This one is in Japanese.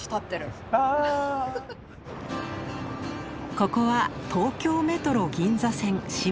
ここは東京メトロ銀座線渋谷駅の真上。